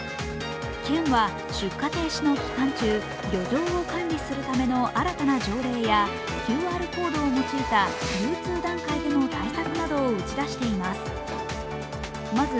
県は出荷停止の期間中漁場を管理するための新たな条例やＱＲコードを用いた流通段階での対策を打ち出しています。